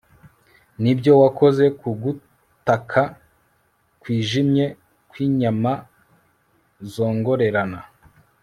nibyo, wakoze ku gutaka kwijimye kwinyama zongorerana